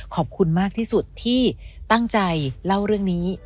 ขอบคุณมากที่สุดที่ตั้งใจเล่าเรื่องนี้